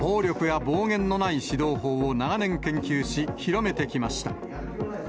暴力や暴言のない指導法を長年研究し、広めてきました。